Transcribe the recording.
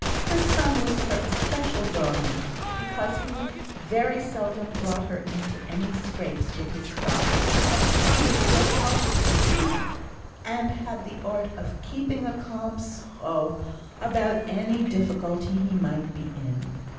Her son was her especial darling, because he very seldom brought her into any scrapes with his father; he was so cautious and prudent, and had the art of "keeping a calm sough" about any difficulty he might be in.